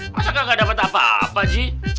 masa kagak dapet apa apa ji